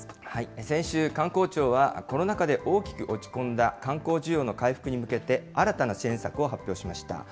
先週、観光庁はコロナ禍で大きく落ち込んだ観光需要の回復に向けて、新たな支援策を発表しました。